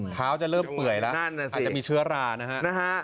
เท้าจะเริ่มเปื่อยละอาจจะมีเชื้อรานะฮะ